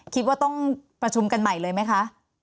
คิดว่าต้องประชุมกันใหม่เลยไหมคะ